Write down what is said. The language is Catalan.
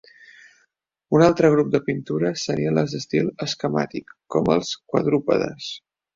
Un altre grup de pintures serien les d'estil esquemàtic, com els quadrúpedes.